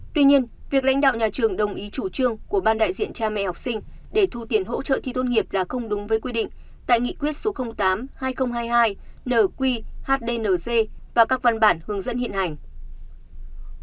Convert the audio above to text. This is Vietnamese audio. tuy nhiên việc lãnh đạo nhà trường đồng ý chủ trương của ban đại diện cha mẹ học sinh để thu tiền hỗ trợ thi tốt nghiệp là không đúng với quy định tại nghị quyết số tám hai nghìn hai mươi hai nq hdnc và các văn bản hướng dẫn hiện hành